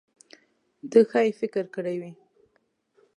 ده ښايي فکر کړی وي.